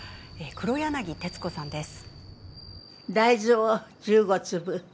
黒柳徹子さんです。